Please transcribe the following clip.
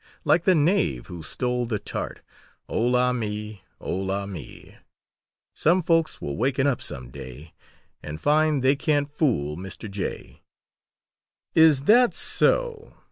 Like the knave who stole the tart Oh, la me! Oh, la me! Some folks will waken up some day And find they can't fool Mr. Jay!" "Is that so?